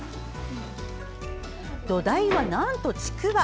土台はなんと、ちくわ！